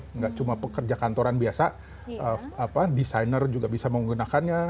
tidak cuma pekerja kantoran biasa desainer juga bisa menggunakannya